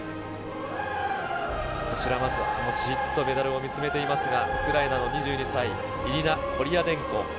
こちら、まずはじっとメダルを見つめていますが、ウクライナの２２歳、イリナ・コリアデンコ。